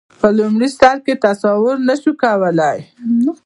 په لومړي سر کې تصور نه شو کولای.